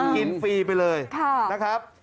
ฟรีไปเลยนะครับ